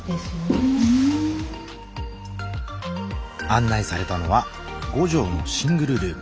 案内されたのは５畳のシングルルーム。